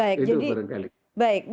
itu perangkal ini